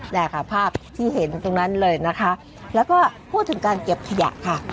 ได้ค่ะภาพที่เห็นตรงนั้นเลยนะคะแล้วก็พูดถึงการเก็บขยะค่ะ